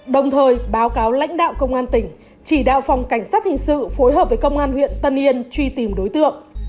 đồng thời báo cáo lãnh đạo công an tỉnh chỉ đạo phòng cảnh sát hình sự phối hợp với công an huyện tân yên truy tìm đối tượng